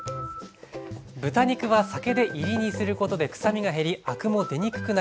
豚肉は酒でいり煮することでくさみが減りアクも出にくくなります。